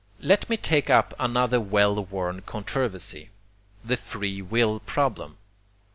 Let me take up another well worn controversy, THE FREE WILL PROBLEM.